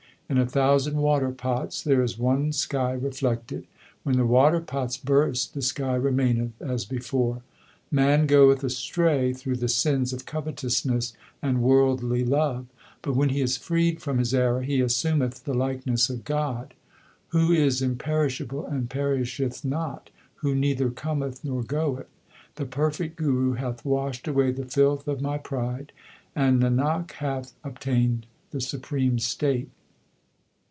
In a thousand water pots there is one sky reflected. When the water pots burst the sky remaineth as before. Man goeth astray through the sins of covetousness and worldly love ; But, when he is freed from his error, he assumeth the like ness of God, Who is imperishable and perisheth not, Who neither cometh nor goeth. The perfect Guru hath washed away the filth of my pride, And Nanak hath obtained the supreme state.